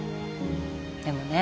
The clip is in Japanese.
でもね